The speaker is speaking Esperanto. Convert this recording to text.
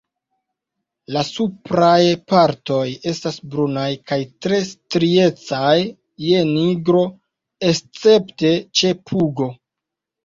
La supraj partoj estas brunaj kaj tre striecaj je nigro, escepte ĉe pugo.